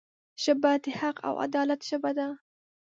ژبه د حق او عدالت ژبه ده